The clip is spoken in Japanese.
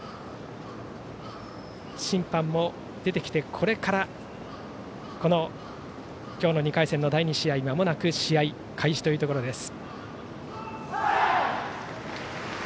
審判も出てきてこれから今日の２回戦の第２試合試合開始というところです。